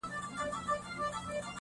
چې کومې ښځې هم ځان وژنه وکړه